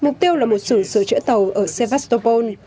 mục tiêu là một xưởng sửa chữa tàu ở sevastopol